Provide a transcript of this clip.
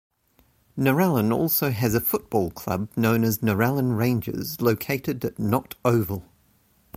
Narellan also has a football club known as Narellan Rangers located at Nott Oval.